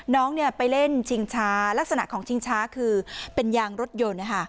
น้องไปเล่นชิงช้าลักษณะของชิงช้าคือเป็นยางรถยนต์